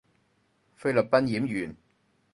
菲律賓演員